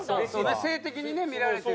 性的にね見られてる。